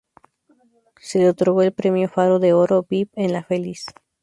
Se le otorgó el Premio Faro de Oro Vip en "La Feliz".